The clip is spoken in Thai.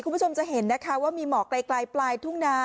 คุณผู้ชมจะเห็นนะคะว่ามีหมอกไกลปลายทุ่งนา